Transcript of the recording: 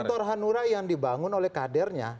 kantor hanura yang dibangun oleh kadernya